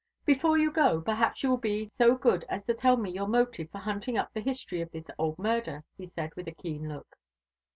"Before you go, perhaps you will be so good as to tell me your motive for hunting up the history of this old murder," he said, with a keen look.